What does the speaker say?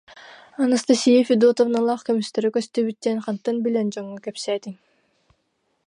Анастасия Федотовналаах көмүстэрэ көстүбүт диэн хантан билэн дьоҥҥо кэпсээтиҥ